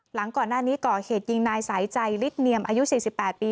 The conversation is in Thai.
หลังก่อนหน้านี้ก่อเหตุยิงนายใสจัยฤทธิ์เนียมอายุสี่สิบแปดปี